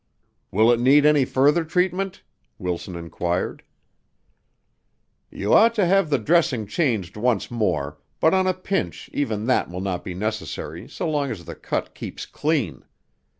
"Will it need any further treatment?" Wilson inquired. "You ought to have the dressing changed once more, but on a pinch even that will not be necessary so long as the cut keeps clean.